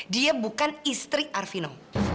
dia bukan istri arfino